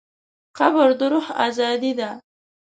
قبر د روح ازادي ده.